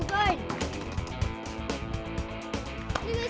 tadi larinya kemana